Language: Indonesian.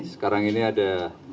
sekarang ini ada